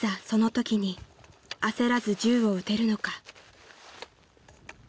そのときに焦らず銃を撃てるのか］